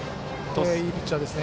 いいピッチャーです。